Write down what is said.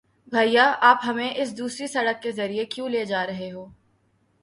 بھیا، آپ ہمیں اس دوسری سڑک کے ذریعے کیوں لے جا رہے ہو؟